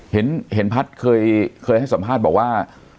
เห็นพัฒน์เคยให้สัมภาษณ์บอกว่า